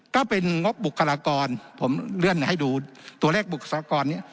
ก็เป็นงบบุคลากรผมเลื่อนให้ดูตัวเลขบุคลากรเนี่ย